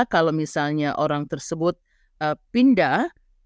kalau misalnya orang tersebut pindah